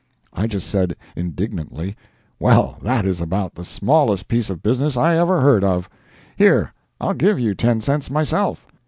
I just said, indignantly, "Well that is about the smallest piece of business I ever heard of! Here, I'll give you ten cents myself.